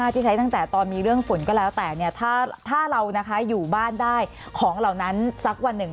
ที่ใช้ตั้งแต่ตอนมีเรื่องฝุ่นก็แล้วแต่ถ้าเราอยู่บ้านได้ของเหล่านั้นสักวันหนึ่ง